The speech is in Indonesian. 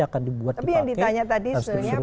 akan dibuat dipakai terus terusnya tapi yang ditanya tadi